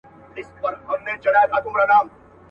چي زموږ پر خاوره یرغلونه کیږي.